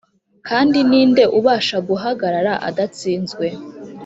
kandi ni nde ubasha guhagarara adatsinzwe?”